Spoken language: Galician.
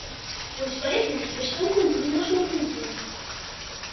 Pois paréceme que están cumprindo a súa función.